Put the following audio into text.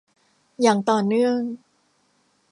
อย่างต่อเนื่อง